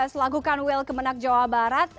selakukan will kemenang jawa barat